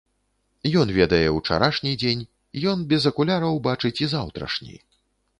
Ён ведае ўчарашні дзень, ён без акуляраў бачыць і заўтрашні.